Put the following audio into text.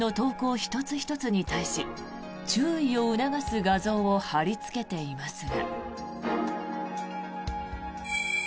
１つ１つに対し注意を促す画像を貼りつけていますが。